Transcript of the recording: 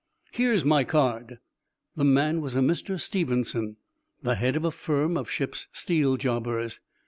"Here's my card." The man was a Mr. Stevenson, the head of a firm of ship's steel jobbers.